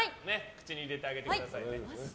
口に入れてあげてください。